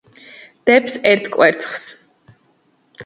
დებს ერთ კვერცხს.